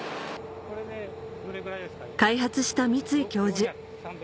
開発した三ツ井教授